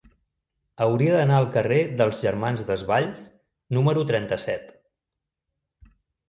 Hauria d'anar al carrer dels Germans Desvalls número trenta-set.